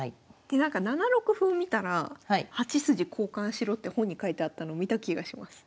でなんか７六歩を見たら８筋交換しろって本に書いてあったの見た気がします。